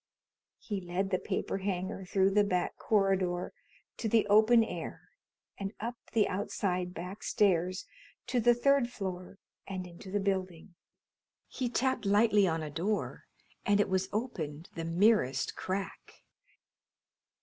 He led the paper hanger through the back corridor to the open air and up the outside back stairs to the third floor and into the building. He tapped lightly on a door and it was opened the merest crack.